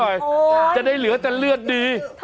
โอ้ยจะได้เหลือจานเลือดดี